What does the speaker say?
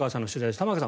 玉川さん